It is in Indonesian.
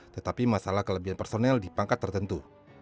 tetapi masalah kelebihan personel di pangkat tertentu